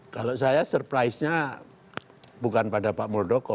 kalau saya surprise nya bukan pada pak muldoko